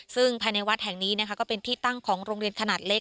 ซึ่งภายในวัดแห่งนี้นะคะก็เป็นที่ตั้งของโรงเรียนขนาดเล็ก